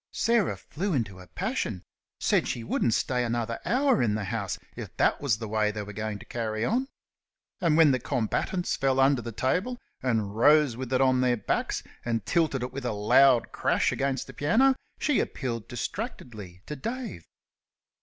Sarah flew into a passion; said she wouldn't stay another hour in the house if that was the way they were going to carry on. And when the combatants fell under the table and rose with it on their backs, and tilted it with a loud crash against the piano, she appealed distractedly to Dave.